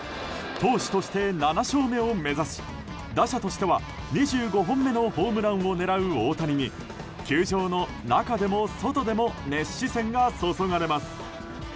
投手として７勝目を目指し打者としては２５本目のホームランを狙う大谷に球場の中でも外でも熱視線が注がれます。